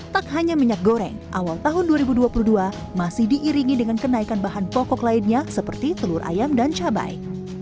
tak hanya minyak goreng awal tahun dua ribu dua puluh dua masih diiringi dengan kenaikan bahan pokok lainnya seperti telur ayam dan cabai